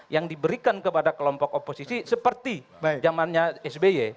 yang diberikan kepada kelompok oposisi seperti zamannya sby